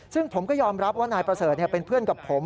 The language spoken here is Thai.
ซึ่งผมก็ยอมรับว่านายประเสริฐเป็นเพื่อนกับผม